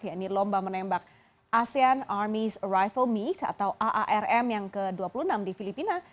yaitu lomba menembak asean armase arrival mix atau aarm yang ke dua puluh enam di filipina